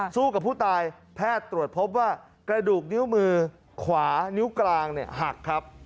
สู้กับผู้ตายแพทย์ตรวจพบว่ากระดูกนิ้วมือขวานิ้วกลางหักครับ